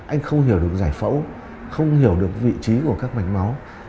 anh không hiểu được giải phẫu không hiểu được vị trí của các mạch máu